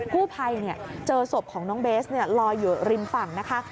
ผู้ภัยเจอศพของน้องเบสลอยอยู่ริมฝั่งนะคะ